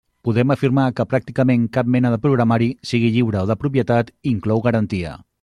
Podem afirmar que pràcticament cap mena de programari, sigui lliure o de propietat, inclou garantia.